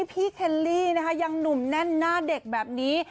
เคลลี่นะคะยังหนุ่มแน่นหน้าเด็กแบบนี้